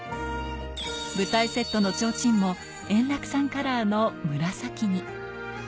舞台セットのちょうちんも円楽さんカラーの紫に。